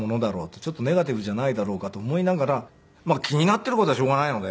ちょっとネガティブじゃないだろうかと思いながら気になっている事はしょうがないので。